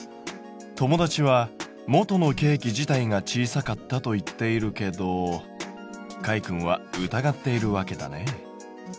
友達は「元のケーキ自体が小さかった」と言っているけどかいくんは疑っているわけだね。